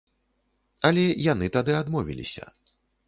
Але яны тады адмовіліся.